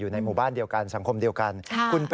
ในหมู่บ้านเดียวกันสังคมเดียวกัน